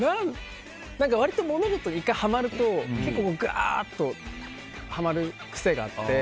割と物事に１回ハマると結構、ガーッとハマる癖があって。